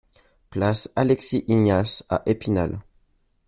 Place Alexis Ignace à Épinal